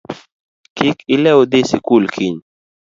Kik ilew dhi sikul kiny